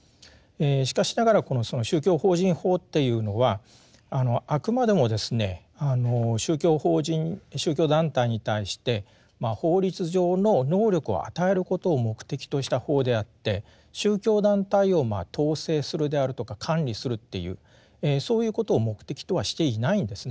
しかしながらその宗教法人法っていうのはあくまでもですね宗教法人宗教団体に対して法律上の能力を与えることを目的とした法であって宗教団体を統制するであるとか管理するっていうそういうことを目的とはしていないんですね。